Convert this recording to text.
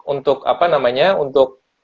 untuk apa namanya untuk